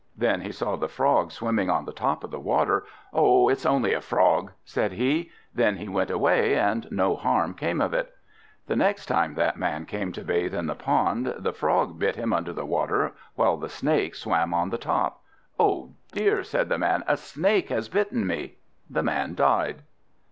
Then he saw the Frog swimming on the top of the water. "Oh, it's only a Frog," said he. Then he went away, and no harm came of it. The next time that Man came to bathe in the pond, the Frog bit him under the water, while the Snake swam on the top. "Oh dear!" said the Man, "a Snake has bitten me!" The Man died.